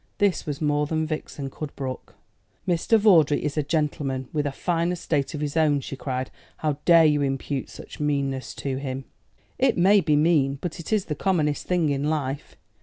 This was more than Vixen could brook. "Mr. Vawdrey is a gentleman, with a fine estate of his own!" she cried. "How dare you impute such meanness to him?" "It may be mean, but it is the commonest thing in life."